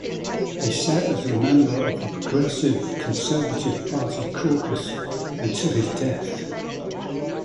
He sat as a member of the Progressive Conservative Party caucus until his death.